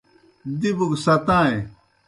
ةدِبوْ گہ ستائیں۔